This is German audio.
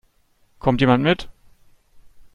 Kommt jemand mit?